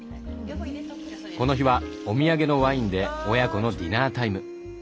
この日はお土産のワインで親子のディナータイム。